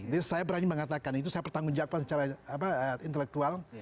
jadi saya berani mengatakan itu saya pertanggung jawab secara intelektual